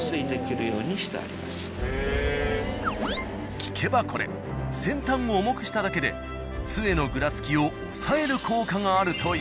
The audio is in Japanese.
聞けばこれ先端を重くしただけで杖のぐらつきを抑える効果があるという。